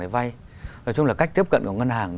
vay nói chung là cách tiếp cận của ngân hàng